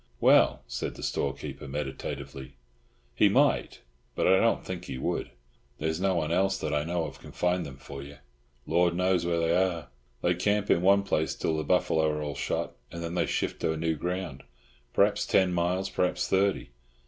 "Well," said the storekeeper, meditatively, "he might, but I don't think he would. There's no one else, that I know of, can find them for you. Lord knows where they are. They camp in one place till the buffalo are all shot, and then they shift to new ground. Perhaps ten miles, perhaps thirty.